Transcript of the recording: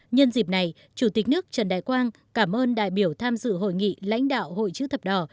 nhân dịp này chủ tịch nước trần đại quang cảm ơn đại biểu tham dự hội nghị lãnh đạo hội chữ thập đỏ